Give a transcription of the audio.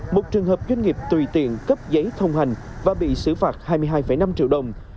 một trường hợp doanh nghiệp tùy tiện cấp giấy thông hành và bị xử phạt hai mươi hai năm triệu đồng